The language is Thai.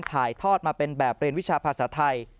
ถ่ายทอดมาเป็นแบบเรียนวิชาภาษาไทย